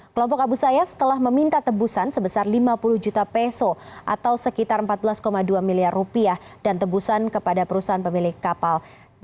kelompok abu sayyaf telah meminta tebusan sebesar lima puluh juta peso atau sekitar empat belas dua miliar rupiah dan tebusan kepada perusahaan pemilik kapal